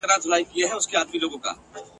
د زده کړو نشتوالی کلتوري کمزوري رامنځ ته کوي.